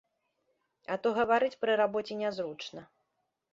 А то гаварыць пры рабоце нязручна.